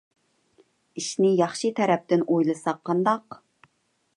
ئىشنى ياخشى تەرەپتىن ئويلىساق قانداق؟